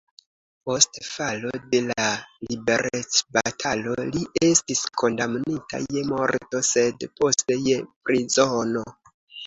Post falo de la liberecbatalo li estis kondamnita je morto, sed poste je prizono.